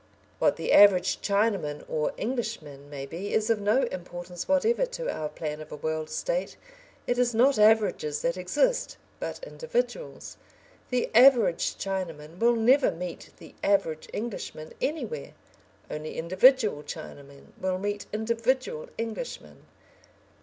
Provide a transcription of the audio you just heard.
What the average Chinaman or Englishman may be, is of no importance whatever to our plan of a World State. It is not averages that exist, but individuals. The average Chinaman will never meet the average Englishman anywhere; only individual Chinamen will meet individual Englishmen.